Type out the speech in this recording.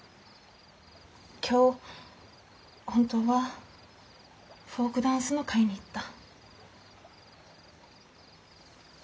今日本当はフォークダンスの会に行った。